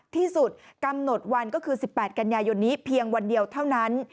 ที่สุดกำหนดวันก็คือ๑๘กันยายนนี้เพียงวันเดียวเท่านั้น